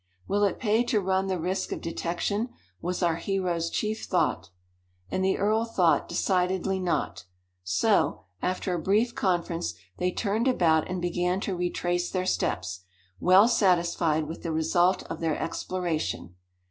"Will it pay to run the risk of detection?" was our hero's chief thought. And the earl thought, decidedly not. So, after a brief conference, they turned about and began to retrace their steps, well satisfied with the result of their exploration.